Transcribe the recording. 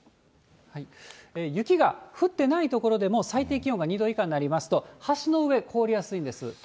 雪が降ってない所でも、最低気温が２度以下になりますと、橋の上、凍りやすいんです。